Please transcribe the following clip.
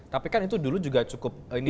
tapi kan itu dulu juga cukup ini